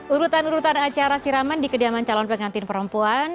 urutan urutan acara siraman di kediaman calon pengantin perempuan